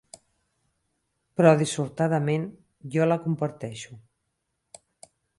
Però, dissortadament, jo la comparteixo.